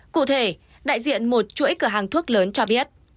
cụ thể đại diện một chuỗi cửa hàng thuốc lớn cho biết